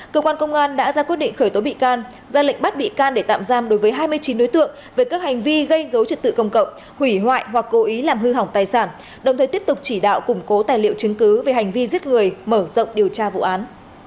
cơ quan công an đã ra quyết định khởi tố bị can ra lệnh bắt bị can để tạm giam đối với hai mươi chín đối tượng về các hành vi gây dối trật tự công cộng hủy hoại hoặc cố ý làm hư hỏng tài sản đồng thời tiếp tục chỉ đạo củng cố tài liệu chứng cứ về hành vi giết người mở rộng điều tra vụ án